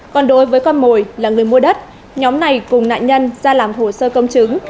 còn đối với con mồi là người mua đất nhóm này cùng nạn nhân ra làm hồ sơ công chứng